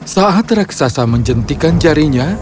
saat raksasa menjentikan jarinya